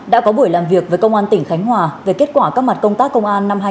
đã có buổi làm việc với công an tỉnh khánh hòa về kết quả các mặt công tác công an năm hai nghìn hai mươi ba